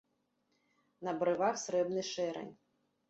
На брывах срэбны шэрань.